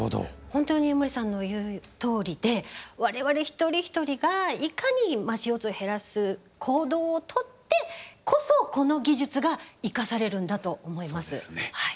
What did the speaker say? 本当に江守さんの言うとおりで我々一人一人がいかにＣＯを減らす行動を取ってこそこの技術が生かされるんだと思います。